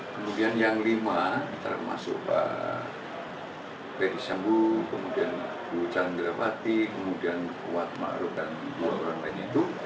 kemudian yang lima termasuk pak ferdi sambo kemudian bu candrawati kemudian kuat maruf dan dua orang lain itu